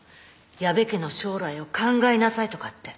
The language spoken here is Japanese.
「矢部家の将来を考えなさい」とかって。